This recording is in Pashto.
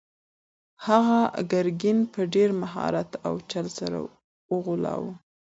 هغه ګرګین په ډېر مهارت او چل سره وغولاوه.